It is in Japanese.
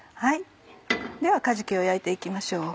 ではかじきを焼いて行きましょう。